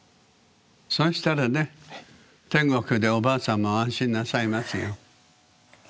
そしたらね天国でおばあさんも安心なさいますよ。